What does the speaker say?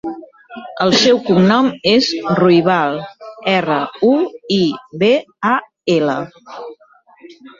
El seu cognom és Ruibal: erra, u, i, be, a, ela.